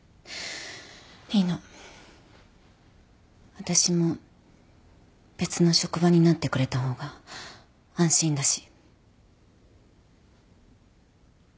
私も別の職場になってくれた方が安心だし。